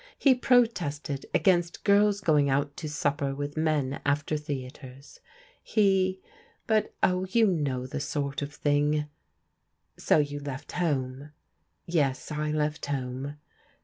He protested against girls go ing out to supper with men after theatres. He— but, oh, you know the kind of thing 1 " "So you left home?" " Yes, I left home."